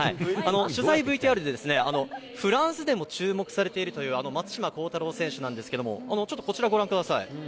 取材ＶＴＲで、フランスでも注目されているという、あの松島幸太朗選手なんですけれども、ちょっとこちら、ご覧ください。